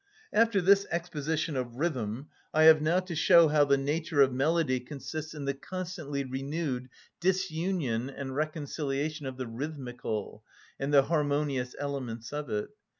After this exposition of rhythm, I have now to show how the nature of melody consists in the constantly renewed disunion and reconciliation of the rhythmical, and the harmonious elements of it.